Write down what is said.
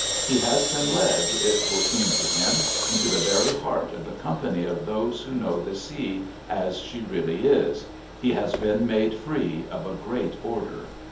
He has been led, it will seem to him, into the very heart of the company of those who know the Sea as she really is, he has been made free of a great order.